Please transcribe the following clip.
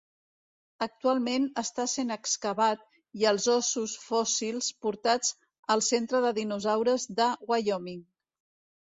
Actualment està sent excavat i els ossos fòssils portats al centre de Dinosaures de Wyoming.